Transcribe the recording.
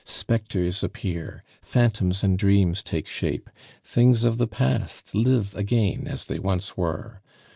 Spectres appear, phantoms and dreams take shape, things of the past live again as they once were.